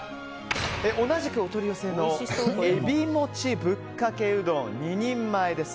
同じくお取り寄せの海老餅ぶっかけうどん２人前です。